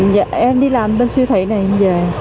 dạ em đi làm bên siêu thị này em về